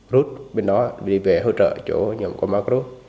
rút bên đó đi về hỗ trợ chỗ nhóm của amagru